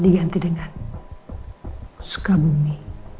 diganti dengan suka bumi